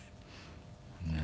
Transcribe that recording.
ねえ。